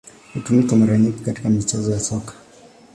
Hutumika mara nyingi katika michezo ya Soka.